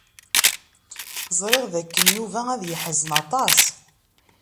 Ẓriɣ dakken Yuba ad yeḥzen aṭas.